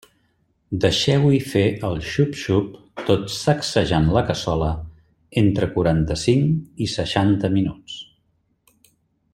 Deixeu-hi fer el xup-xup, tot sacsejant la cassola, entre quaranta-cinc i seixanta minuts.